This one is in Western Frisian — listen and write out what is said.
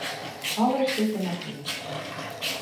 Alles sit der noch yn.